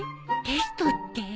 テストって